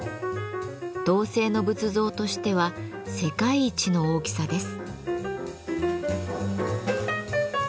銅製の仏像としては世界一の大きさです。